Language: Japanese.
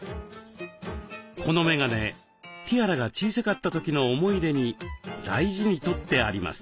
この眼鏡ティアラが小さかった時の思い出に大事にとってあります。